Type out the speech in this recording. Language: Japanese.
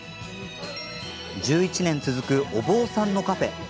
１１年続く、お坊さんのカフェ。